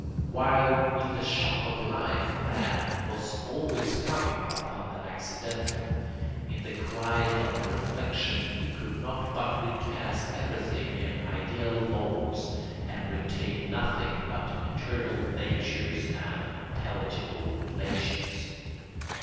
While in the shock of life man was always coming upon the accidental, in the quiet of reflection he could not but recast everything in ideal moulds and retain nothing but eternal natures and intelligible relations.